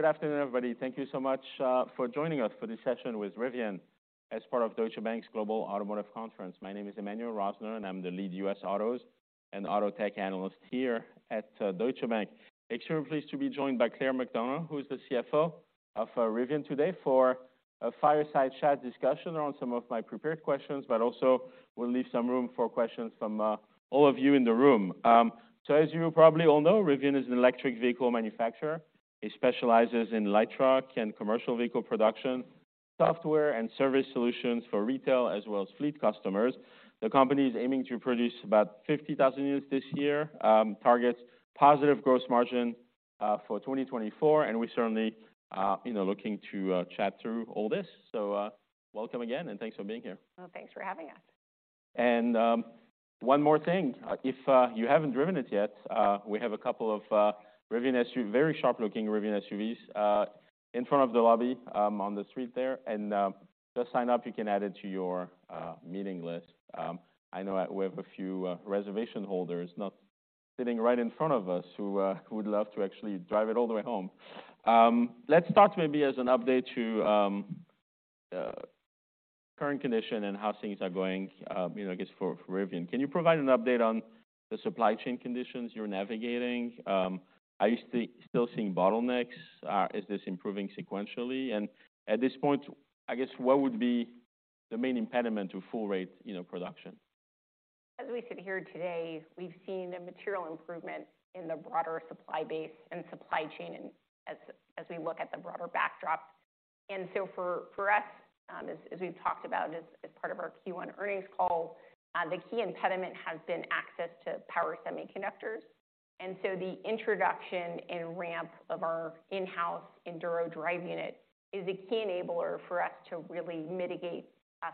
Good afternoon, everybody. Thank you so much for joining us for this session with Rivian as part of Deutsche Bank's Global Automotive Conference. My name is Emmanuel Rosner, I'm the Lead U.S. Autos and Auto Tech analyst here at Deutsche Bank. Extremely pleased to be joined by Claire McDonough, who is the CFO of Rivian today, for a fireside chat discussion on some of my prepared questions, also we'll leave some room for questions from all of you in the room. As you probably all know, Rivian is an electric vehicle manufacturer. It specializes in light truck and commercial vehicle production, software, and service solutions for retail, as well as fleet customers. The company is aiming to produce about 50,000 units this year, targets positive gross margin for 2024, and we're certainly, you know, looking to chat through all this. Welcome again, and thanks for being here. Well, thanks for having us. One more thing. If you haven't driven it yet, we have a couple of very sharp-looking Rivian SUVs in front of the lobby on the street there. Just sign up, you can add it to your meeting list. I know we have a few reservation holders not sitting right in front of us who would love to actually drive it all the way home. Let's start maybe as an update to current condition and how things are going, you know, I guess for Rivian. Can you provide an update on the supply chain conditions you're navigating? Are you still seeing bottlenecks? Is this improving sequentially? At this point, I guess what would be the main impediment to full rate, you know, production? As we sit here today, we've seen a material improvement in the broader supply base and supply chain and as we look at the broader backdrop. For us, as we've talked about as part of our Q1 earnings call, the key impediment has been access to power semiconductors. The introduction and ramp of our in-house Enduro drive unit is a key enabler for us to really mitigate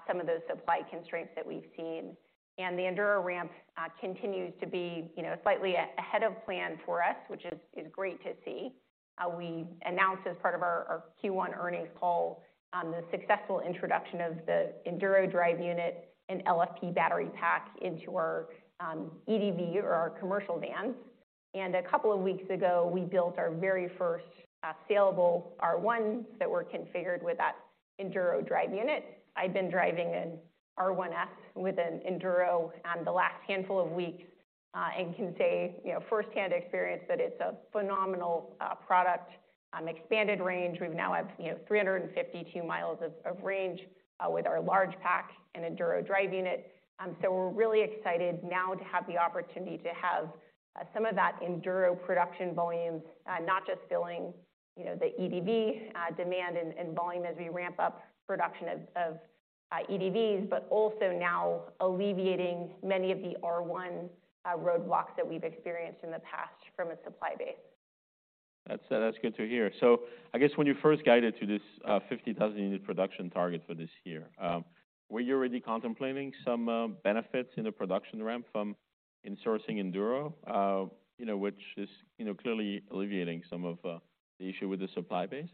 some of those supply constraints that we've seen. The Enduro ramp continues to be, you know, slightly ahead of plan for us, which is great to see. We announced as part of our Q1 earnings call, the successful introduction of the Enduro drive unit and LFP battery pack into our EDV or our commercial van. A couple of weeks ago, we built our very first saleable R1 that were configured with that Enduro drive unit. I've been driving an R1S with an Enduro the last handful of weeks and can say, you know, firsthand experience, that it's a phenomenal product. Expanded range. We now have, you know, 352 miles of range with our large pack and Enduro drive unit. We're really excited now to have the opportunity to have some of that Enduro production volume not just filling, you know, the EDV demand and volume as we ramp up production of EDVs, but also now alleviating many of the R1 roadblocks that we've experienced in the past from a supply base. That's good to hear. I guess when you first guided to this, 50,000 unit production target for this year, were you already contemplating some, benefits in the production ramp from insourcing Enduro? You know, which is, you know, clearly alleviating some of, the issue with the supply base.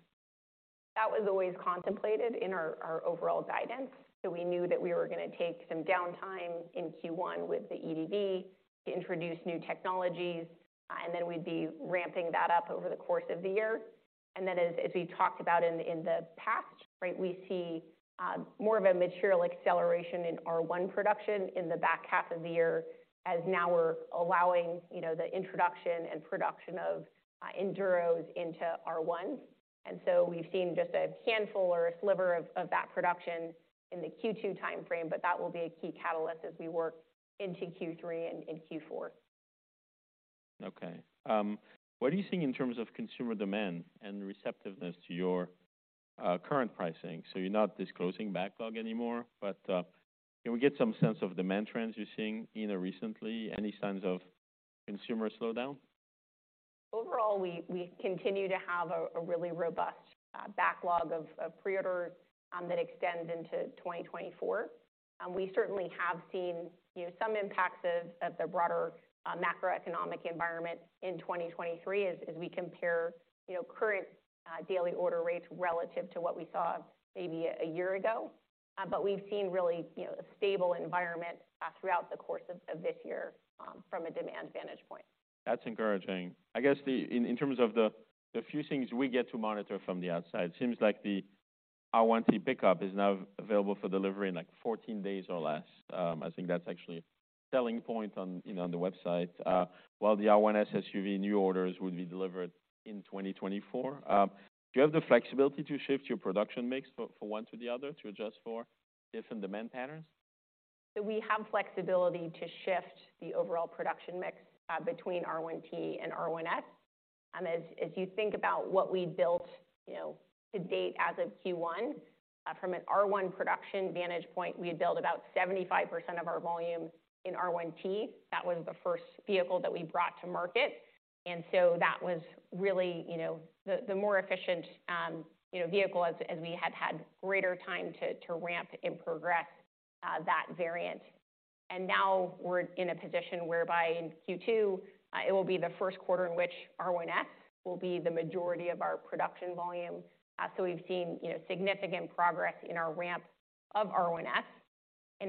That was always contemplated in our overall guidance, so we knew that we were gonna take some downtime in Q1 with the EDV to introduce new technologies, and then we'd be ramping that up over the course of the year. As we talked about in the past, right, we see more of a material acceleration in R1 production in the back half of the year, as now we're allowing, you know, the introduction and production of Enduros into R1. We've seen just a handful or a sliver of that production in the Q2 timeframe, but that will be a key catalyst as we work into Q3 and Q4. Okay. What are you seeing in terms of consumer demand and receptiveness to your current pricing? You're not disclosing backlog anymore. Can we get some sense of demand trends you're seeing recently? Any signs of consumer slowdown? Overall, we continue to have a really robust backlog of preorders that extends into 2024. We certainly have seen, you know, some impacts of the broader macroeconomic environment in 2023 as we compare, you know, current daily order rates relative to what we saw maybe a year ago. We've seen really, you know, a stable environment throughout the course of this year from a demand vantage point. That's encouraging. I guess in terms of the few things we get to monitor from the outside, it seems like the R1T pickup is now available for delivery in, like, 14 days or less. I think that's actually a selling point on, you know, on the website. While the R1S SUV new orders would be delivered in 2024. Do you have the flexibility to shift your production mix for one to the other to adjust for different demand patterns? We have flexibility to shift the overall production mix between R1T and R1S. As you think about what we built, you know, to date as of Q1, from an R1 production vantage point, we built about 75% of our volume in R1T. That was the first vehicle that we brought to market, that was really, you know, the more efficient, you know, vehicle as we had had greater time to ramp and progress that variant. Now we're in a position whereby in Q2, it will be the Q1 in which R1S will be the majority of our production volume. We've seen, you know, significant progress in our ramp of R1S.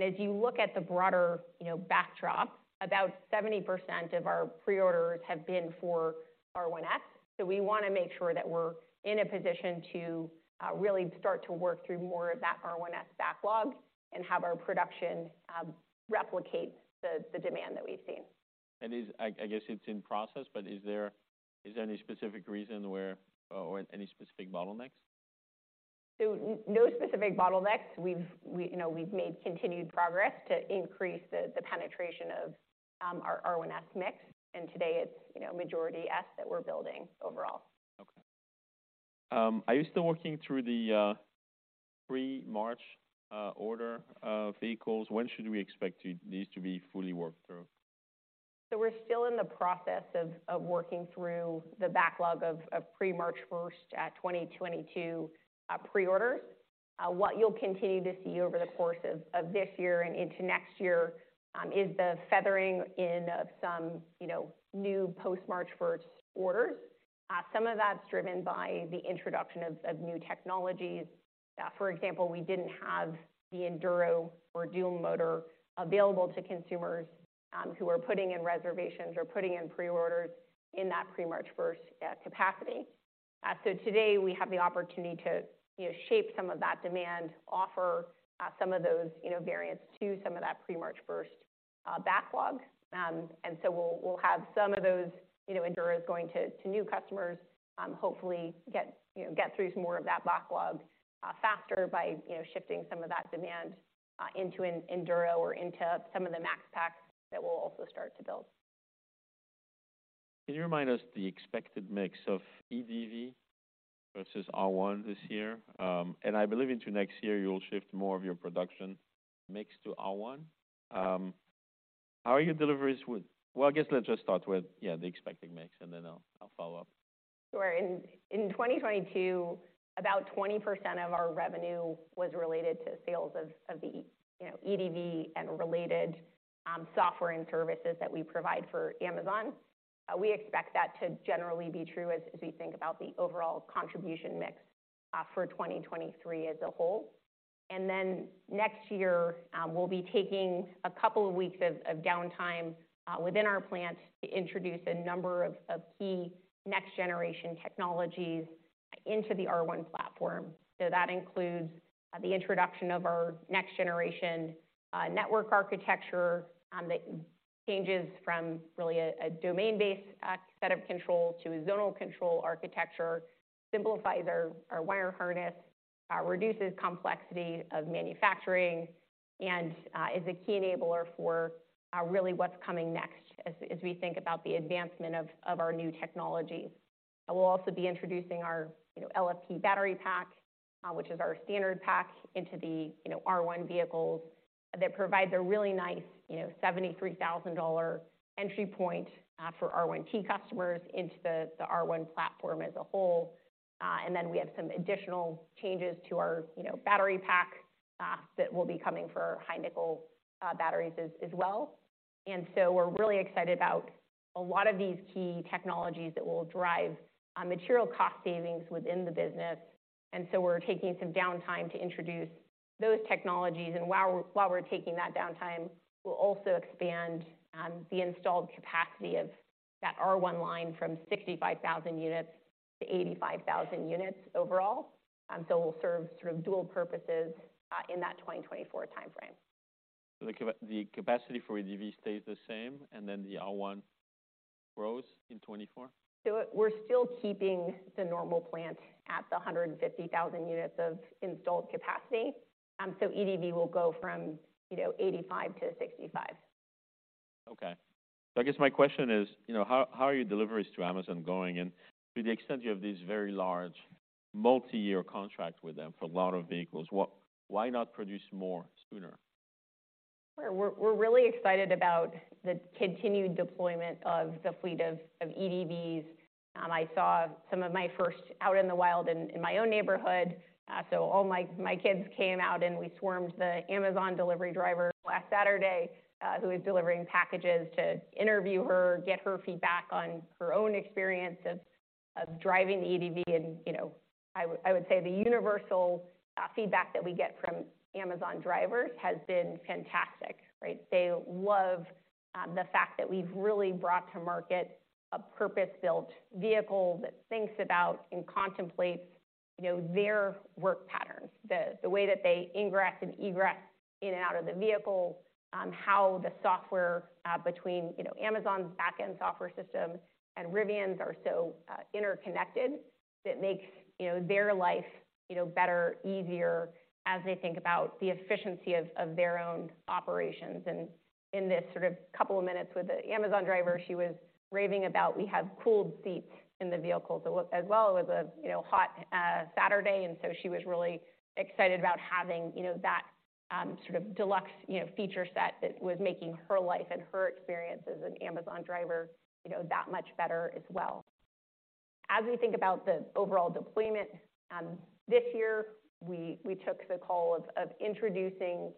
As you look at the broader, you know, backdrop, about 70% of our pre-orders have been for R1S. We want to make sure that we're in a position to really start to work through more of that R1S backlog and have our production replicate the demand that we've seen. I guess it's in process, but is there any specific reason where, or any specific bottlenecks? No specific bottlenecks. We've, you know, we've made continued progress to increase the penetration of our R1S mix, and today it's, you know, majority S that we're building overall. Okay. Are you still working through the pre-March order vehicles? When should we expect these to be fully worked through? We're still in the process of working through the backlog of pre-March 1st, 2022 pre-orders. What you'll continue to see over the course of this year and into next year is the feathering in of some, you know, new post-March 1st orders. Some of that's driven by the introduction of new technologies. For example, we didn't have the Enduro or dual motor available to consumers who were putting in reservations or putting in pre-orders in that pre-March 1st capacity. Today we have the opportunity to, you know, shape some of that demand, offer some of those, you know, variants to some of that pre-March 1st backlog. We'll have some of those, you know, Enduros going to new customers, hopefully get, you know, get through some more of that backlog, faster by, you know, shifting some of that demand, into an Enduro or into some of the Max Packs that we'll also start to build. Can you remind us the expected mix of EDV versus R1 this year? I believe into next year, you will shift more of your production mix to R1. Well, I guess let's just start with, yeah, the expected mix, and then I'll follow up. Sure. In 2022, about 20% of our revenue was related to sales of the, you know, EDV and related software and services that we provide for Amazon. We expect that to generally be true as we think about the overall contribution mix for 2023 as a whole. Next year, we'll be taking a couple of weeks of downtime within our plant to introduce a number of key next-generation technologies into the R1 platform. That includes the introduction of our next-generation network architecture that changes from really a domain-based set of control to a zonal control architecture, simplifies our wire harness, reduces complexity of manufacturing, and is a key enabler for really what's coming next as we think about the advancement of our new technologies. We'll also be introducing our, you know, LFP battery pack, which is our standard pack, into the, you know, R1 vehicles. That provides a really nice, you know, $73,000 entry point for R1T customers into the R1 platform as a whole. And then we have some additional changes to our, you know, battery pack that will be coming for high-nickel batteries as well. We're really excited about a lot of these key technologies that will drive material cost savings within the business, and so we're taking some downtime to introduce those technologies. While we're taking that downtime, we'll also expand the installed capacity of that R1 line from 65,000 units to 85,000 units overall. So we'll serve sort of dual purposes in that 2024 timeframe. The capacity for EDV stays the same, and then the R1 grows in 2024? We're still keeping the Normal Plant at the 150,000 units of installed capacity. EDV will go from, you know, 85 to 65. Okay. I guess my question is, you know, how are your deliveries to Amazon going? To the extent you have these very large, multiyear contracts with them for a lot of vehicles, why not produce more sooner? We're really excited about the continued deployment of the fleet of EDVs. I saw some of my first out in the wild in my own neighborhood, so all my kids came out, and we swarmed the Amazon delivery driver last Saturday, who was delivering packages, to interview her, get her feedback on her own experience of driving the EDV. You know, I would say the universal feedback that we get from Amazon drivers has been fantastic, right? They love the fact that we've really brought to market a purpose-built vehicle that thinks about and contemplates, you know, their work patterns, the way that they ingress and egress in and out of the vehicle. How the software, between, you know, Amazon's back-end software systems and Rivian's are so interconnected that it makes, you know, their life, you know, better, easier as they think about the efficiency of their own operations. In this sort of couple of minutes with the Amazon driver, she was raving about, we have cooled seats in the vehicles as well. It was a, you know, hot Saturday, she was really excited about having, you know, that sort of deluxe, you know, feature set that was making her life and her experience as an Amazon driver, you know, that much better as well. As we think about the overall deployment, this year, we took the call of introducing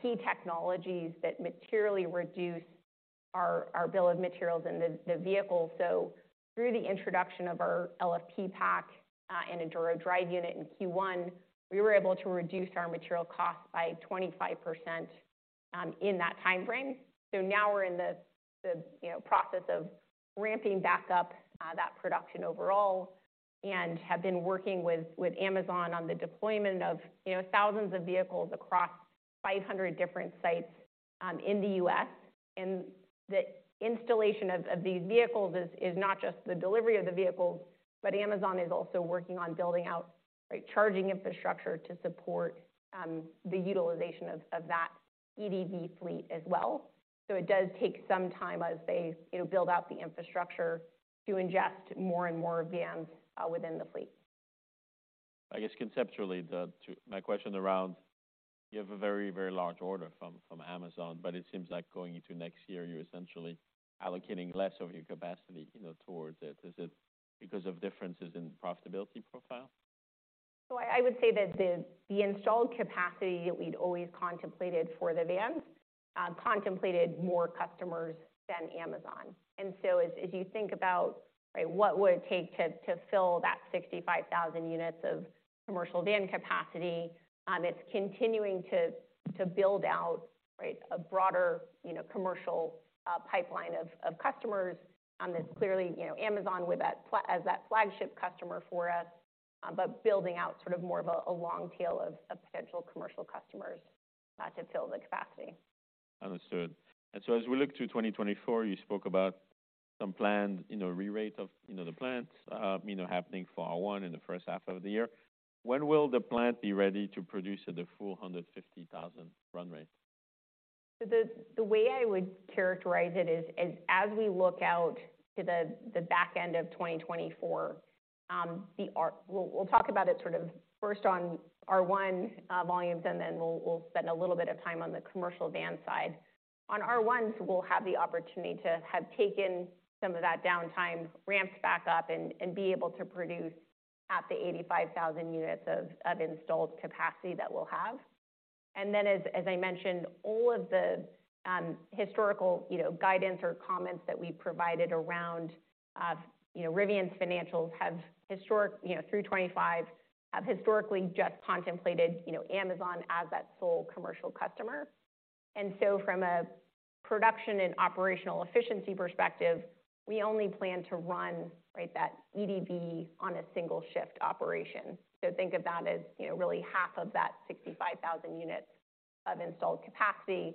key technologies that materially reduce our bill of materials and the vehicle. Through the introduction of our LFP pack and Enduro drive unit in Q1, we were able to reduce our material costs by 25% in that time frame. Now we're in the, you know, process of ramping back up that production overall, and have been working with Amazon on the deployment of, you know, thousands of vehicles across 500 different sites in the US. The installation of these vehicles is not just the delivery of the vehicles, but Amazon is also working on building out a charging infrastructure to support the utilization of that EDV fleet as well. It does take some time as they, you know, build out the infrastructure to ingest more and more vans within the fleet. I guess, conceptually, my question around, you have a very large order from Amazon, it seems like going into next year, you're essentially allocating less of your capacity, you know, towards it. Is it because of differences in profitability profile? I would say that the installed capacity that we'd always contemplated for the vans, contemplated more customers than Amazon. As you think about, right, what would it take to fill that 65,000 units of commercial van capacity, it's continuing to build out, right, a broader, you know, commercial pipeline of customers. It's clearly, you know, Amazon with that as that flagship customer for us, but building out sort of more of a long tail of potential commercial customers, to fill the capacity. Understood. As we look to 2024, you spoke about some planned, you know, rerate of, you know, the plants, you know, happening for R1 in the first half of the year. When will the plant be ready to produce at the full 150,000 run rate? The way I would characterize it is as we look out to the back end of 2024, We'll talk about it sort of first on R1 volumes, and then we'll spend a little bit of time on the commercial van side. On R1s, we'll have the opportunity to have taken some of that downtime, ramped back up, and be able to produce at the 85,000 units of installed capacity that we'll have. Then, as I mentioned, all of the historical, you know, guidance or comments that we provided around, you know, Rivian's financials through 2025 have historically just contemplated, you know, Amazon as that sole commercial customer. From a production and operational efficiency perspective, we only plan to run, right, that EDV on a single shift operation. Think of that as, you know, really half of that 65,000 units of installed capacity,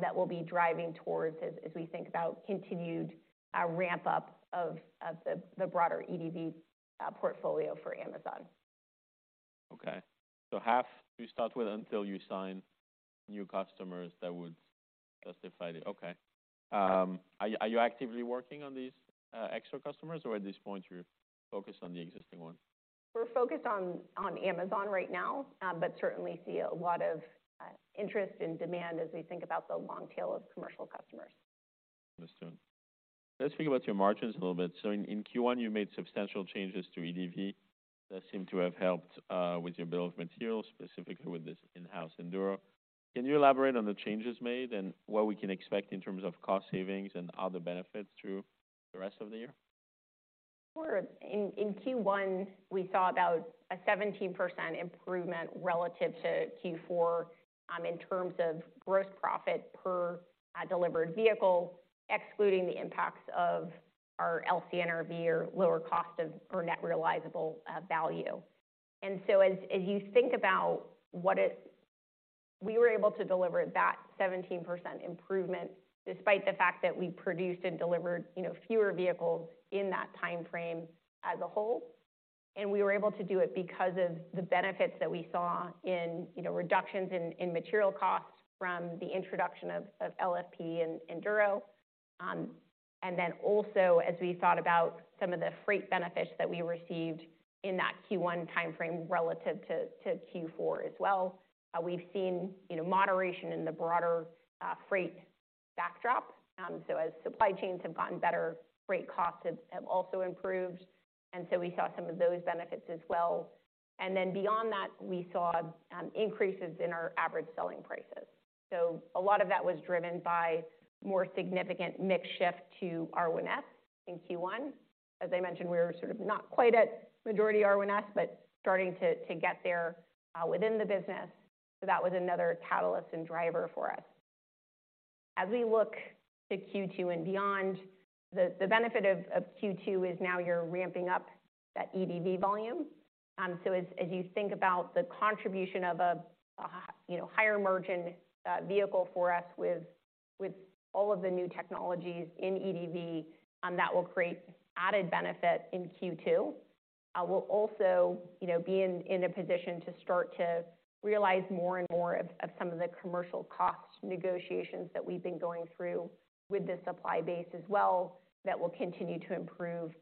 that we'll be driving towards as we think about continued ramp-up of the broader EDV portfolio for Amazon. Okay. Half to start with until you sign new customers that would justify it. Okay. Are you actively working on these extra customers, or at this point, you're focused on the existing ones? We're focused on Amazon right now, but certainly see a lot of interest and demand as we think about the long tail of commercial customers. Understood. Let's talk about your margins a little bit. In Q1, you made substantial changes to EDV that seemed to have helped with your bill of materials, specifically with this in-house Enduro. Can you elaborate on the changes made and what we can expect in terms of cost savings and other benefits through the rest of the year? Sure. In Q1, we saw about a 17% improvement relative to Q4, in terms of gross profit per delivered vehicle, excluding the impacts of our LCNRV or lower cost or net realizable value. We were able to deliver that 17% improvement despite the fact that we produced and delivered, you know, fewer vehicles in that time frame as a whole. We were able to do it because of the benefits that we saw in, you know, reductions in material costs from the introduction of LFP and Enduro. As we thought about some of the freight benefits that we received in that Q1 time frame relative to Q4 as well, we've seen, you know, moderation in the broader freight backdrop. As supply chains have gotten better, freight costs have also improved, and so we saw some of those benefits as well. Beyond that, we saw increases in our average selling prices. A lot of that was driven by more significant mix shift to R1S in Q1. As I mentioned, we're sort of not quite at majority R1S, but starting to get there within the business. That was another catalyst and driver for us. As we look to Q2 and beyond, the benefit of Q2 is now you're ramping up that EDV volume. As you think about the contribution of a, you know, higher-margin vehicle for us with all of the new technologies in EDV, that will create added benefit in Q2. We'll also, you know, be in a position to start to realize more and more of some of the commercial cost negotiations that we've been going through with the supply base as well, that will continue to improve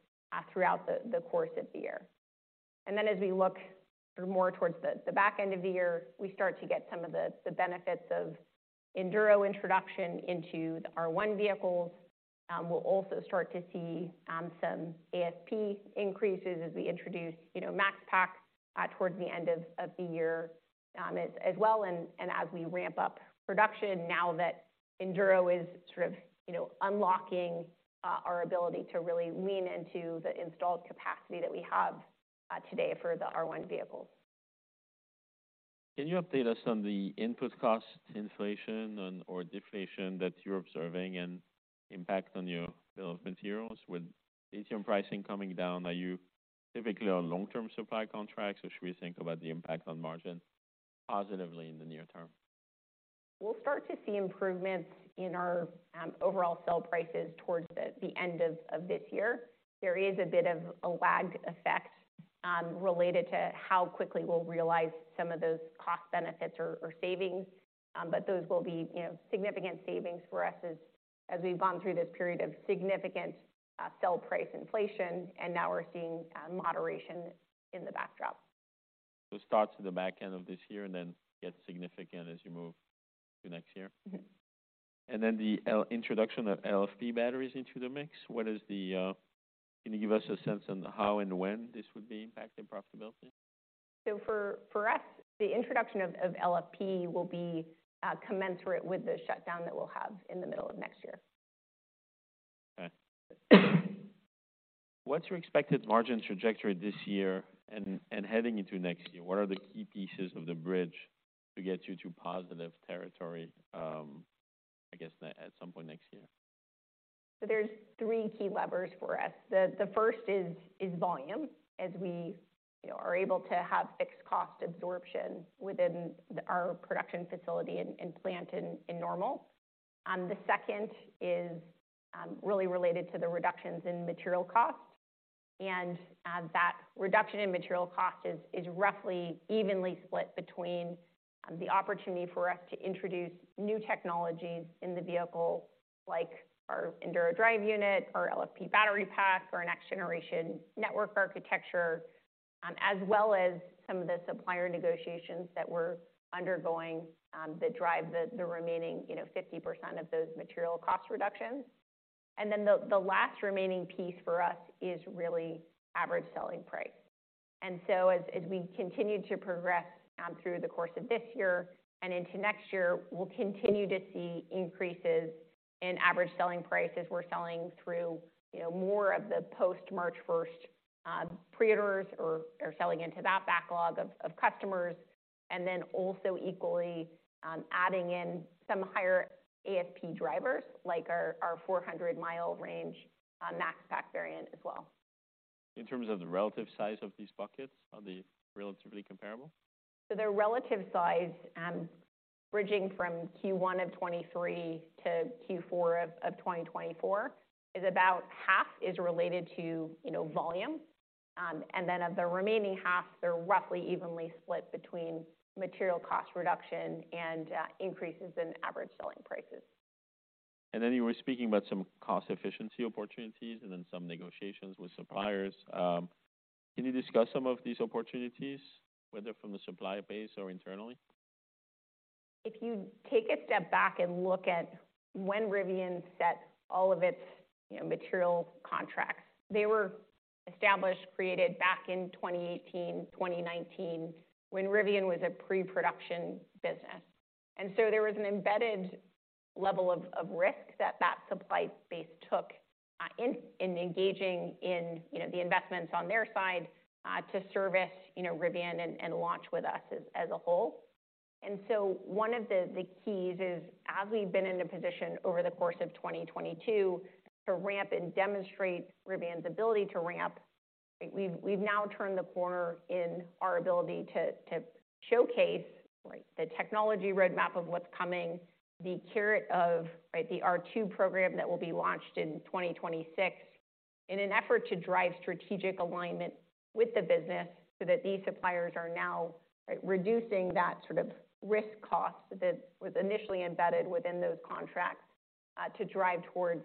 throughout the course of the year. Then as we look more towards the back end of the year, we start to get some of the benefits of Enduro introduction into the R1 vehicles. We'll also start to see some ASP increases as we introduce, you know, Max Pack towards the end of the year as well, and as we ramp up production now that Enduro is sort of, you know, unlocking our ability to really lean into the installed capacity that we have today for the R1 vehicles. Can you update us on the input cost inflation and or deflation that you're observing and impact on your bill of materials? With lithium pricing coming down, are you typically on long-term supply contracts, or should we think about the impact on margin positively in the near term? We'll start to see improvements in our overall sale prices towards the end of this year. There is a bit of a lag effect related to how quickly we'll realize some of those cost benefits or savings. Those will be, you know, significant savings for us as we've gone through this period of significant steel price inflation, and now we're seeing moderation in the backdrop. It starts at the back end of this year and then gets significant as you move to next year? Introduction of LFP batteries into the mix, Can you give us a sense on how and when this would be impacting profitability? For us, the introduction of LFP will be commensurate with the shutdown that we'll have in the middle of next year. Okay. What's your expected margin trajectory this year and heading into next year? What are the key pieces of the bridge to get you to positive territory, I guess, at some point next year? There's three key levers for us. The first is volume, as we, you know, are able to have fixed cost absorption within our production facility and plant in Normal. The second is really related to the reductions in material costs, and that reduction in material cost is roughly evenly split between the opportunity for us to introduce new technologies in the vehicle, like our Enduro drive unit, our LFP battery pack, our next generation network architecture, as well as some of the supplier negotiations that we're undergoing, that drive the remaining, you know, 50% of those material cost reductions. The last remaining piece for us is really average selling price. As we continue to progress through the course of this year and into next year, we'll continue to see increases in average selling price as we're selling through, you know, more of the post-March 1st preorders or selling into that backlog of customers. Also equally, adding in some higher ASP drivers, like our 400-mile range Max Pack variant as well. In terms of the relative size of these buckets, are they relatively comparable? Their relative size, bridging from Q1 of 2023 to Q4 of 2024, is about half is related to, you know, volume. Of the remaining half, they're roughly evenly split between material cost reduction and increases in average selling prices. You were speaking about some cost efficiency opportunities and then some negotiations with suppliers. Can you discuss some of these opportunities, whether from the supplier base or internally? If you take a step back and look at when Rivian set all of its, you know, material contracts, they were established, created back in 2018, 2019, when Rivian was a pre-production business. There was an embedded level of risk that that supply base took in engaging in, you know, the investments on their side to service, you know, Rivian and launch with us as a whole. One of the keys is, as we've been in a position over the course of 2022 to ramp and demonstrate Rivian's ability to ramp, we've now turned the corner in our ability to showcase, right, the technology roadmap of what's coming, the carrot of, right, the R2 program that will be launched in 2026, in an effort to drive strategic alignment with the business so that these suppliers are now, right, reducing that sort of risk cost that was initially embedded within those contracts, to drive towards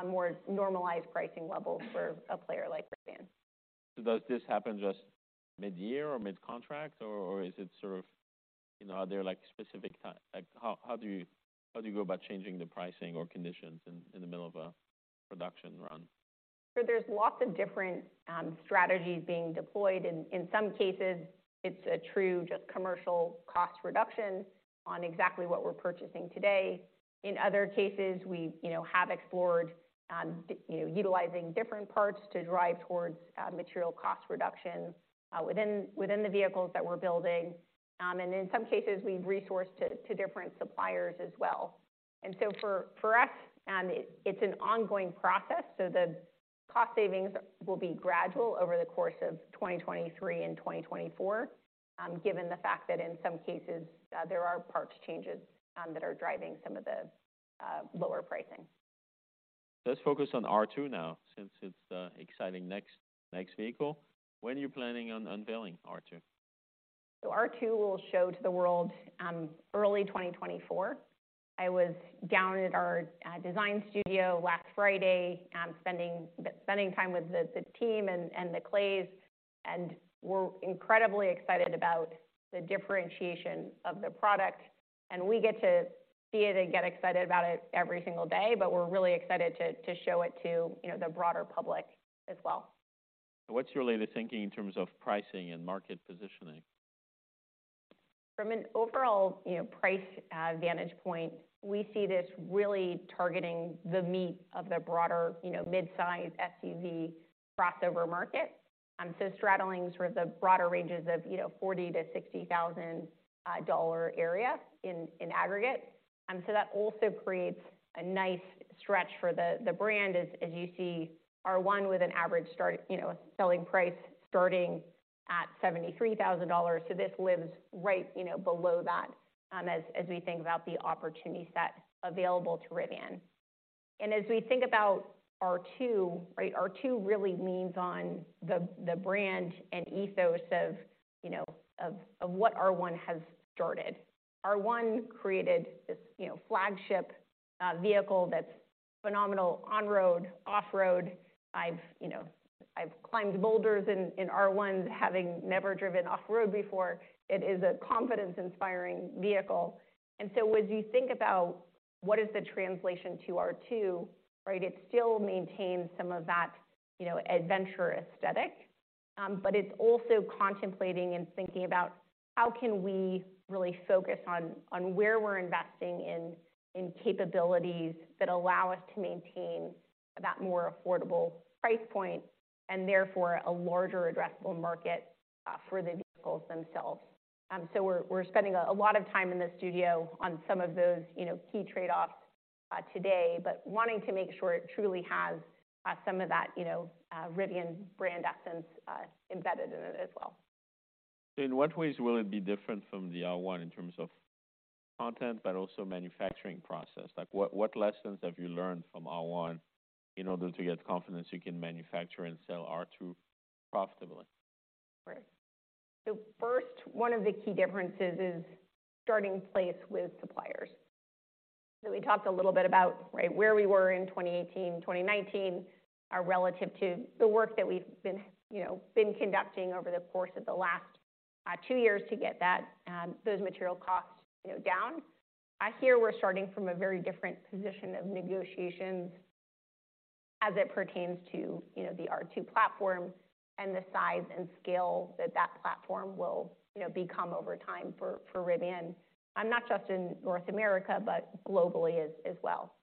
a more normalized pricing level for a player like Rivian. Does this happen just mid-year or mid-contract, or is it sort of, you know, are there, like, specific, like, how do you go about changing the pricing or conditions in the middle of a production run? There's lots of different strategies being deployed. In some cases, it's a true just commercial cost reduction on exactly what we're purchasing today. In other cases, we, you know, have explored, utilizing different parts to drive towards material cost reductions within the vehicles that we're building. In some cases, we've resourced to different suppliers as well. For us, it's an ongoing process, so the cost savings will be gradual over the course of 2023 and 2024, given the fact that in some cases, there are parts changes that are driving some of the lower pricing. Let's focus on R2 now, since it's the exciting next vehicle. When are you planning on unveiling R2? R2 will show to the world early 2024. I was down at our design studio last Friday, spending time with the team and the clays, and we're incredibly excited about the differentiation of the product. We get to see it and get excited about it every single day, but we're really excited to show it to, you know, the broader public as well. What's your latest thinking in terms of pricing and market positioning? From an overall, you know, price vantage point, we see this really targeting the meat of the broader, you know, mid-size SUV crossover market. Straddling sort of the broader ranges of, you know, $40,000-$60,000 dollar area in aggregate. That also creates a nice stretch for the brand as you see R1 with an average start, you know, selling price starting at $73,000. This lives right, you know, below that, as we think about the opportunity set available to Rivian. As we think about R2, right, R2 really leans on the brand and ethos of, you know, what R1 has started. R1 created this, you know, flagship vehicle that's phenomenal on-road, off-road. I've, you know, I've climbed boulders in R1, having never driven off-road before. It is a confidence-inspiring vehicle. As you think about what is the translation to R2, right, it still maintains some of that, you know, adventure aesthetic, but it's also contemplating and thinking about how can we really focus on where we're investing in capabilities that allow us to maintain that more affordable price point, and therefore, a larger addressable market for the vehicles themselves. We're spending a lot of time in the studio on some of those, you know, key trade-offs today, but wanting to make sure it truly has some of that, you know, Rivian brand essence embedded in it as well. In what ways will it be different from the R1 in terms of content, but also manufacturing process? Like, what lessons have you learned from R1 in order to get confidence you can manufacture and sell R2 profitably? Right. First, one of the key differences is starting place with suppliers. We talked a little bit about, right, where we were in 2018, 2019, relative to the work that we've been, you know, been conducting over the course of the last two years to get that, those material costs, you know, down. Here we're starting from a very different position of negotiations as it pertains to, you know, the R2 platform and the size and scale that that platform will, you know, become over time for Rivian, not just in North America, but globally as well.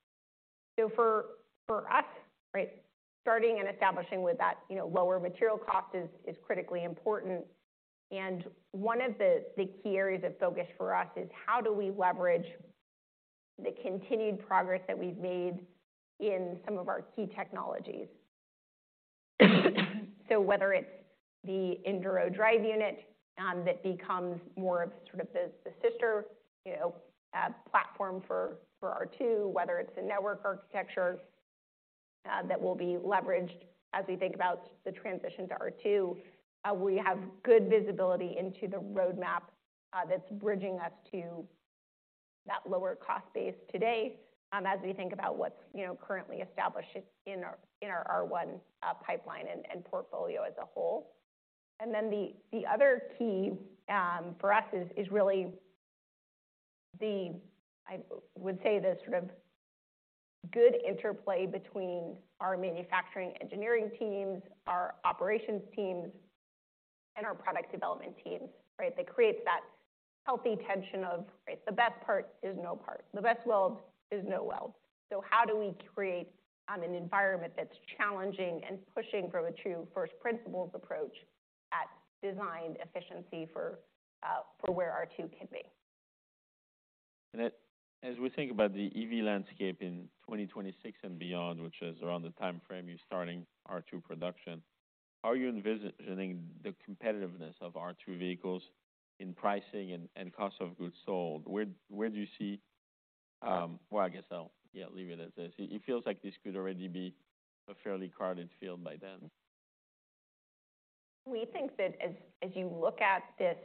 For us, right, starting and establishing with that, you know, lower material cost is critically important. One of the key areas of focus for us is how do we leverage the continued progress that we've made in some of our key technologies? Whether it's the Enduro drive unit, that becomes more of sort of the sister, you know, platform for R2, whether it's the network architecture, that will be leveraged as we think about the transition to R2, we have good visibility into the roadmap, that's bridging us to that lower cost base today, as we think about what's, you know, currently established in our R1, pipeline and portfolio as a whole. The other key, for us is really the, I would say, the sort of good interplay between our manufacturing engineering teams, our operations teams, and our product development teams, right? That creates that healthy tension of, right, the best part is no part. The best weld is no weld. How do we create an environment that's challenging and pushing from a true first principles approach at designed efficiency for where R2 can be? As we think about the EV landscape in 2026 and beyond, which is around the time frame you're starting R2 production, how are you envisioning the competitiveness of R2 vehicles in pricing and cost of goods sold? Where do you see? Well, I guess I'll, yeah, leave it as is. It feels like this could already be a fairly crowded field by then. We think that as you look at this,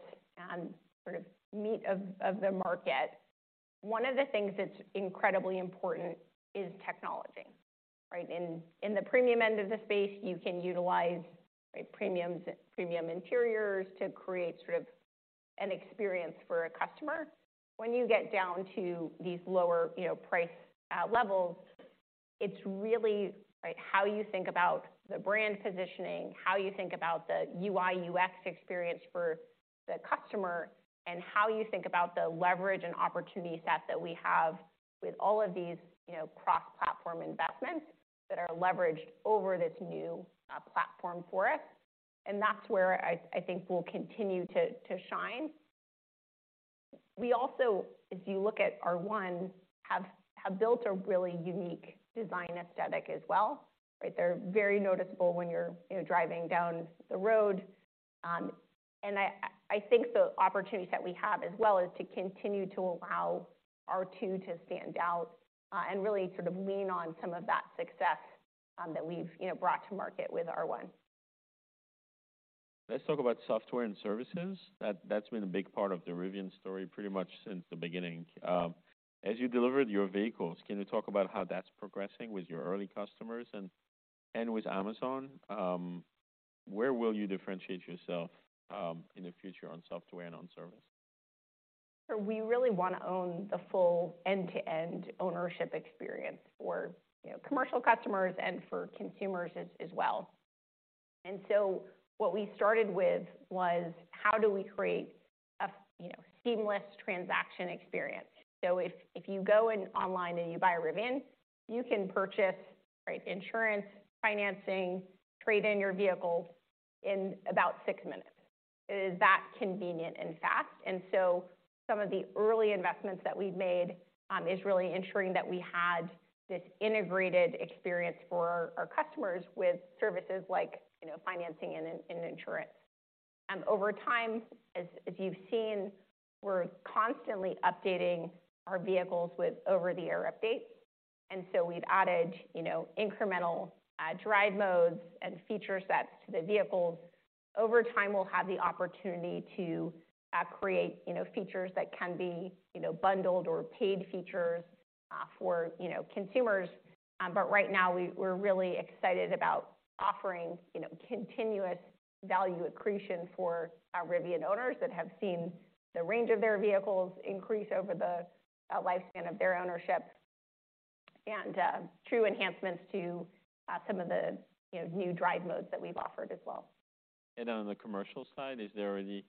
sort of meat of the market, one of the things that's incredibly important is technology, right? In the premium end of the space, you can utilize, right, premiums, premium interiors to create sort of an experience for a customer. When you get down to these lower, you know, price levels, it's really, right, how you think about the brand positioning, how you think about the UI, UX experience for the customer, and how you think about the leverage and opportunity set that we have with all of these, you know, cross-platform investments that are leveraged over this new platform for us. That's where I think we'll continue to shine. We also, as you look at R1, have built a really unique design aesthetic as well, right? They're very noticeable when you're, you know, driving down the road. I think the opportunity set we have as well is to continue to allow R2 to stand out, and really sort of lean on some of that success, that we've, you know, brought to market with R1. Let's talk about software and services. That's been a big part of the Rivian story pretty much since the beginning. As you delivered your vehicles, can you talk about how that's progressing with your early customers and with Amazon? Where will you differentiate yourself, in the future on software and on service? We really want to own the full end-to-end ownership experience for, you know, commercial customers and for consumers as well. What we started with was: How do we create a, you know, seamless transaction experience? If you go in online and you buy a Rivian, you can purchase, right, insurance, financing, trade in your vehicle in about six minutes. It is that convenient and fast. Some of the early investments that we've made is really ensuring that we had this integrated experience for our customers with services like, you know, financing and insurance. Over time, as you've seen, we're constantly updating our vehicles with over-the-air updates, we've added, you know, incremental drive modes and feature sets to the vehicles. Over time, we'll have the opportunity to create, you know, features that can be, you know, bundled or paid features for, you know, consumers. Right now we're really excited about offering, you know, continuous value accretion for our Rivian owners that have seen the range of their vehicles increase over the lifespan of their ownership, and true enhancements to some of the, you know, new drive modes that we've offered as well. On the commercial side, you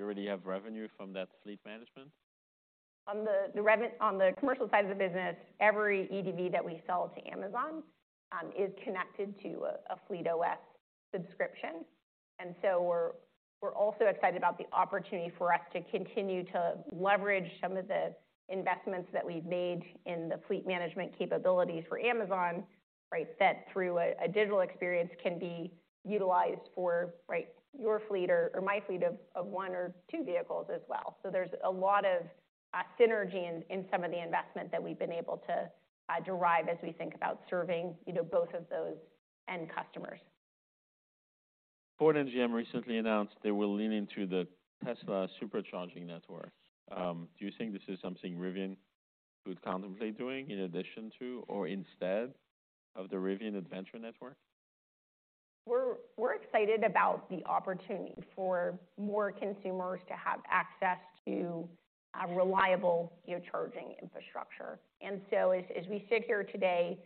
already have revenue from that fleet management? On the commercial side of the business, every EDV that we sell to Amazon, is connected to a FleetOS subscription. We're also excited about the opportunity for us to continue to leverage some of the investments that we've made in the fleet management capabilities for Amazon, right? That through a digital experience can be utilized for, right, your fleet or my fleet of one or two vehicles as well. There's a lot of synergy in some of the investment that we've been able to derive as we think about serving, you know, both of those end customers. Ford and GM recently announced they will lean into the Tesla Supercharger network. Do you think this is something Rivian would contemplate doing in addition to or instead of the Rivian Adventure Network? We're excited about the opportunity for more consumers to have access to a reliable charging infrastructure. As we sit here today,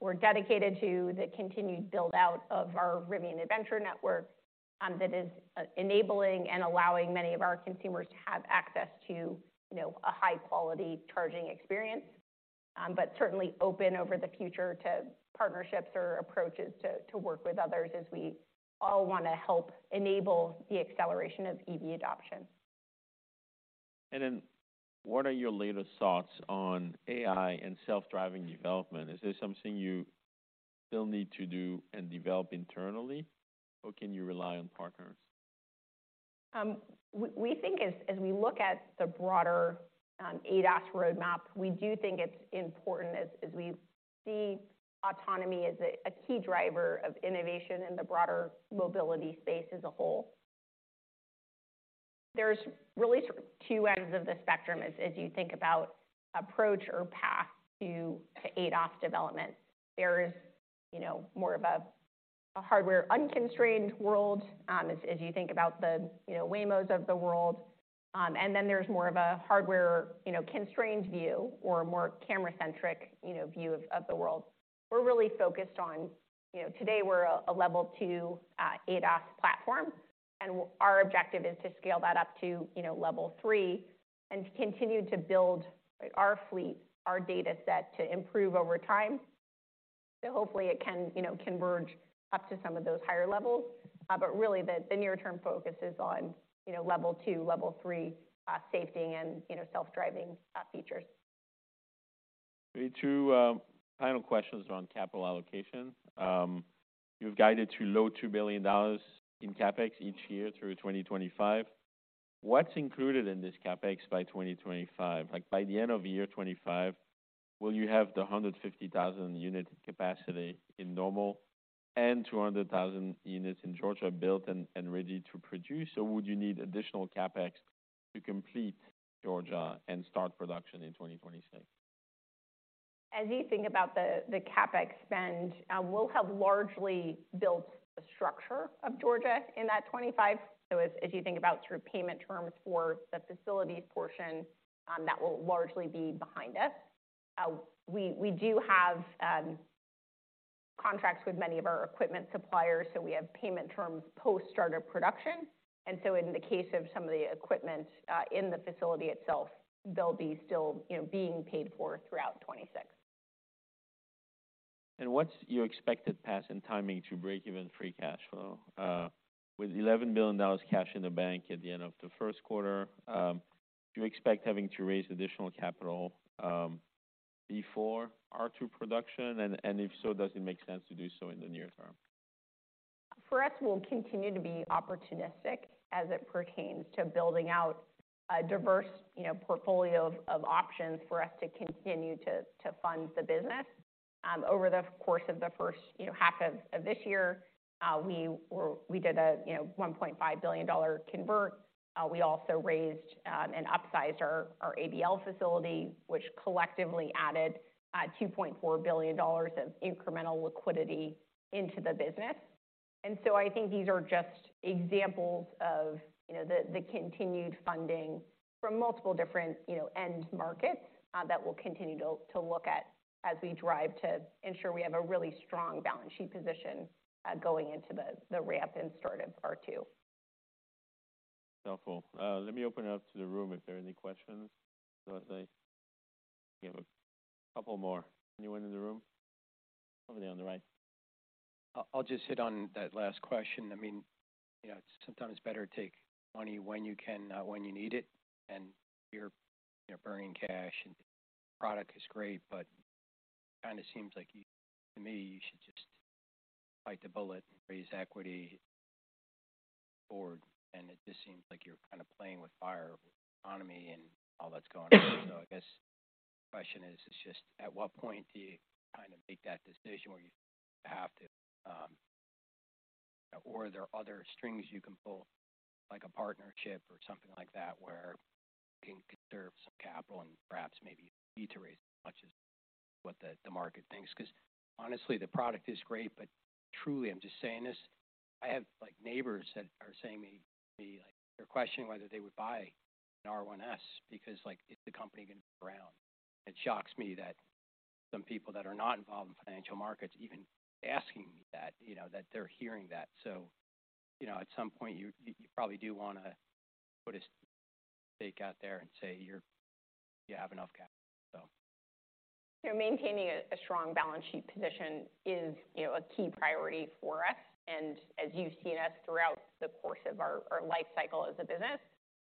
we're dedicated to the continued build-out of our Rivian Adventure Network, that is enabling and allowing many of our consumers to have access to, you know, a high-quality charging experience. Certainly open over the future to partnerships or approaches to work with others as we all want to help enable the acceleration of EV adoption. What are your latest thoughts on AI and self-driving development? Is this something you still need to do and develop internally, or can you rely on partners? We think as we look at the broader ADAS roadmap, we do think it's important as we see autonomy as a key driver of innovation in the broader mobility space as a whole. There's really two ends of the spectrum as you think about approach or path to ADAS development. There's, you know, more of a hardware-unconstrained world, as you think about the, you know, Waymos of the world. Then there's more of a hardware, you know, constrained view or a more camera-centric, you know, view of the world. We're really focused on you know, today we're a Level 2 ADAS platform, and our objective is to scale that up to, you know, Level 3, and to continue to build, like, our fleet, our data set, to improve over time. Hopefully it can, you know, converge up to some of those higher levels. Really, the near-term focus is on, you know, Level 2, Level 3, safety and, you know, self-driving features. Two final questions around capital allocation. You've guided to low $2 billion in CapEx each year through 2025. What's included in this CapEx by 2025? Like, by the end of year 25, will you have the 150,000 unit capacity in normal and 200,000 units in Georgia built and ready to produce, or would you need additional CapEx to complete Georgia and start production in 2026? As you think about the CapEx spend, we'll have largely built the structure of Georgia in that 2025. As you think about sort of payment terms for the facilities portion, that will largely be behind us. We do have contracts with many of our equipment suppliers, so we have payment terms post-startup production. In the case of some of the equipment, in the facility itself, they'll be still, you know, being paid for throughout 2026. What's your expected path and timing to break even free cash flow? With $11 billion cash in the bank at the end of the Q1, do you expect having to raise additional capital before R2 production? If so, does it make sense to do so in the near term? For us, we'll continue to be opportunistic as it pertains to building out a diverse, you know, portfolio of options for us to continue to fund the business. Over the course of the first, you know, half of this year, we did a, you know, $1.5 billion convert. We also raised, and upsized our ABL facility, which collectively added, $2.4 billion of incremental liquidity into the business. I think these are just examples of, you know, the continued funding from multiple different, you know, end markets, that we'll continue to look at as we drive to ensure we have a really strong balance sheet position, going into the ramp and start of R2. Helpful. Let me open it up to the room if there are any questions. I think we have a couple more. Anyone in the room? Over there on the right. I'll just hit on that last question. I mean, you know, it's sometimes better to take money when you can, not when you need it, and you're burning cash, and the product is great, but it kind of seems like to me, you should just bite the bullet and raise equity forward, and it just seems like you're kind of playing with fire with the economy and all that's going on. I guess the question is just at what point do you kind of make that decision where you have to? Or are there other strings you can pull, like a partnership or something like that, where you can conserve some capital and perhaps maybe need to raise as much as what the market thinks? Honestly, the product is great, but truly, I'm just saying this, I have, like, neighbors that are saying to me, like, they're questioning whether they would buy an R1S because, like, is the company going to be around? It shocks me that some people that are not involved in financial markets are even asking me that, you know, that they're hearing that. You know, at some point, you probably do want to put a stake out there and say, you're, you have enough capital, so. Maintaining a strong balance sheet position is, you know, a key priority for us. As you've seen us throughout the course of our life cycle as a business,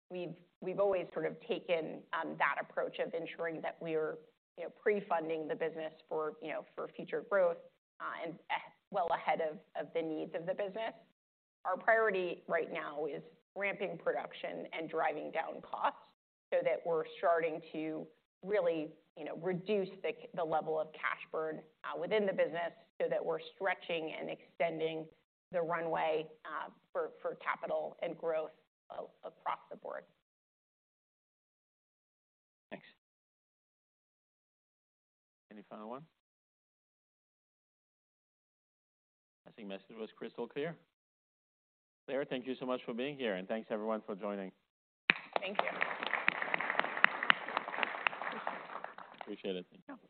we've always sort of taken that approach of ensuring that we're, you know, pre-funding the business for, you know, for future growth and well ahead of the needs of the business. Our priority right now is ramping production and driving down costs so that we're starting to really, you know, reduce the level of cash burn within the business, so that we're stretching and extending the runway for capital and growth across the board. Thanks. Any final one? I think the message was crystal clear. Claire, thank you so much for being here, and thanks, everyone, for joining. Thank you. Appreciate it. Thank you. Thank you.